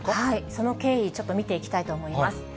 その経緯、ちょっと見ていきたいと思います。